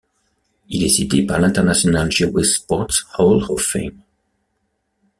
Il est cité par l'International Jewish Sports Hall of Fame.